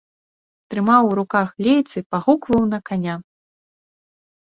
Трымаў у руках лейцы, пагукваў на каня.